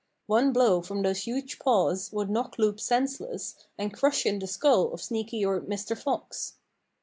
One blow from those huge paws would knock Loup senseless and crush in the skull of Sneaky or Mr. Fox.